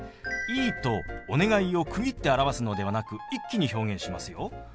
「いい」と「お願い」を区切って表すのではなく一気に表現しますよ。